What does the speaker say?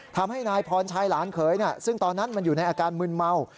ทำให้นายพรชัยหลานเขยซึ่งตอนนั้นมันอยู่ในอาการมึนเมา